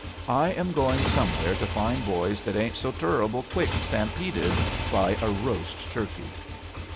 I am going somewhere to find boys that ain't so tur ruble qtfick stampeded by a roast turkey."